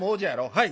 「はい。